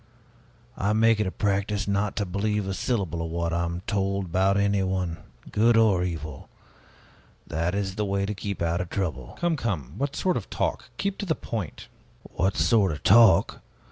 I make it a practice not to believe a syllable of what I am told about anyone, good or evil; that is the way to keep out of trouble." "Come, come, what sort of talk? Keep to the point." "What sort of talk?